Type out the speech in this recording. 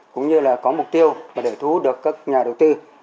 cũng như là có mục tiêu để thu được các nhà đầu tư